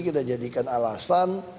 kita jadikan alasan